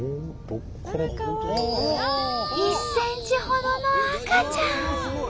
１ｃｍほどの赤ちゃん！